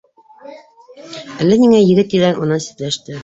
Әллә ниңә егет-елән унан ситләште